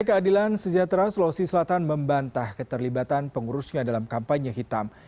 keadilan sejahtera sulawesi selatan membantah keterlibatan pengurusnya dalam kampanye hitam